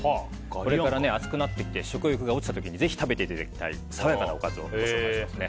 これから暑くなってきて食欲が落ちた時にぜひ食べていただきたい爽やかなおかずをご紹介します。